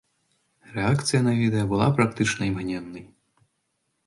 Рэакцыя на відэа была практычна імгненнай.